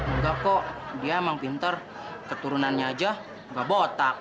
enggak kok dia emang pinter keturunannya aja nggak botak